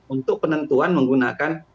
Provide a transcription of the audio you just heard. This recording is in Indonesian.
untuk penentuan menggunakan